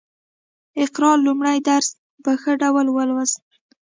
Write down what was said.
اقرا لومړی درس په ښه ډول ولوست